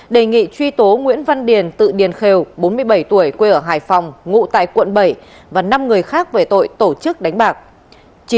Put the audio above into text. đề nghị truy tố nguyễn văn điền tự điền khều bốn mươi bảy tuổi quê ở hải phòng ngụ tại quận bảy và năm người khác về tội tổ chức đánh bạc